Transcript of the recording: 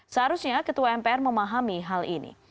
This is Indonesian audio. seharusnya ketua mpr memahami hal ini